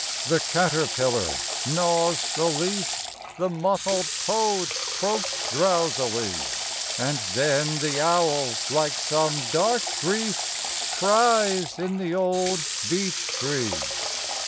The caterpillar gnaws the leaf; The mottled toad croaks drowsily; And then the owl, like some dark grief, Cries in the old beech tree.